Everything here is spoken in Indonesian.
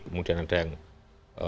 kemudian ada yang masuk ke dpr